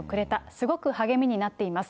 すごく励みになっています。